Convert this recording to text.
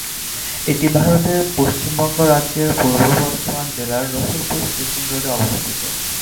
এটি ভারতের পশ্চিমবঙ্গ রাজ্যের পূর্ব বর্ধমান জেলার রসুলপুর স্টেশন রোডে অবস্থিত।